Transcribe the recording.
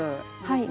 はい。